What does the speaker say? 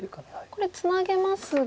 これツナげますが。